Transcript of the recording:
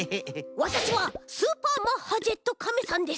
わたしはスーパーマッハジェットカメさんです。